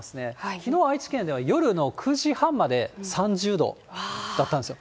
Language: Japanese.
きのう愛知県では、夜の９時半まで３０度だったんですよ。